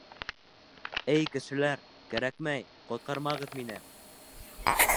Эй, кешеләр, кәрәкмәй, ҡотҡармағыҙ мине.